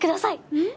うん？